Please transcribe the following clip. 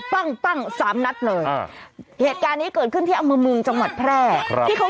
ช่วยเจียมช่วยเจียมช่วยเจียม